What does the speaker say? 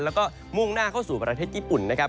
แล้วก็มุ่งหน้าเข้าสู่ประเทศญี่ปุ่นนะครับ